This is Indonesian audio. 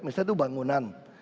misalnya itu bangunan